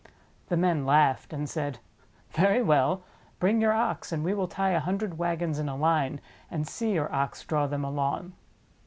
The men laughed, and said: "Very well; bring your Ox, and we will tie a hundred wagons in a line and see your Ox draw them along."